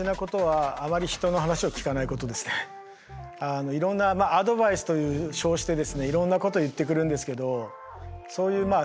あのいろんなアドバイスと称してですねいろんなこと言ってくるんですけどそういうまあ